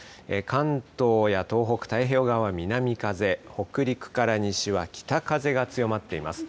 関東や東北、太平洋側は南風、北陸から西は北風が強まっています。